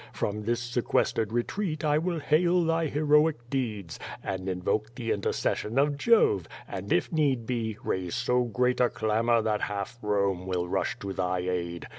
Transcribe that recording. From this sequestered retreat I will hail thy heroic deeds, and invoke the intercession of Jove, and if need be, raise so great a clamor that half Konie will rush to thy aid.